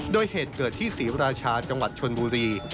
โดยเหตุเกิดที่ศรีราชาจังหวัดชนบุรี